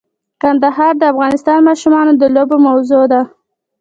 کندهار د افغان ماشومانو د لوبو موضوع ده.